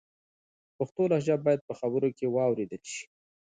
پښتو لهجه باید په خبرو کې و اورېدل سي.